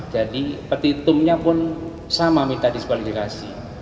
jadi petutumnya pun sama minta disvalifikasi